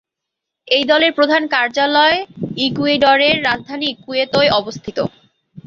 এই দলের প্রধান কার্যালয় ইকুয়েডরের রাজধানী কুইতোয় অবস্থিত।